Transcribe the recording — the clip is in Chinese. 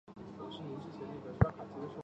铃木达央是日本的男性声优兼歌手。